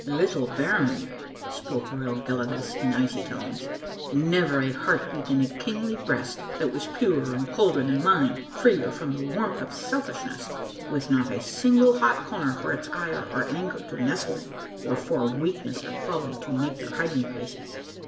" Little baron," spoke royal Gelidus in icy tones, " never a heart beat in a kingly breast that was purer and colder than mine, freer from the warmth of selfishness, with not a single liot corner for ire or anger to nestle in, or for weakness or folly to make their hiding places.